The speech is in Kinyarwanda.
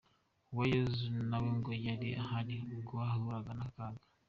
Uwayezu na we ngo yari ahari ubwo bahuraga n’aka kaga.